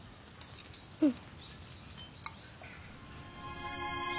うん。